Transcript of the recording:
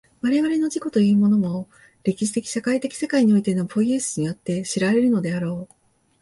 我々の自己というものも、歴史的社会的世界においてのポイエシスによって知られるのであろう。